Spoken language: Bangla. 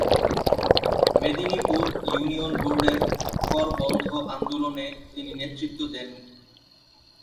মেদিনীপুর ইউনিয়ন বোর্ডের কর-বন্ধ আন্দোলনে তিনি নেতৃত্ব দেন।